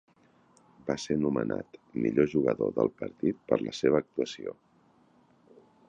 Va ser nomenat Millor jugador del partit per la seva actuació.